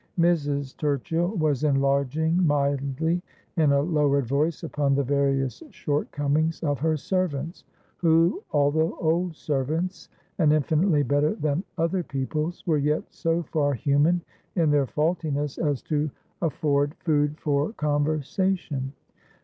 Mrs. Turchill was enlarging mildly in a lowered voice upon the various shortcomings of her servants, who, although old servants and infinitely better than other people's, were yet so far human in their faultiness as to afford food for conversation.